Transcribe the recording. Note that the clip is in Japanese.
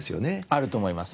あると思います。